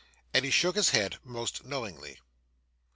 and he shook his head most knowingly.